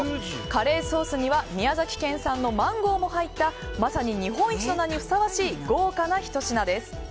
カレーソースには宮崎県産のマンゴーも入ったまさに日本一の名にふさわしい豪華なひと品です。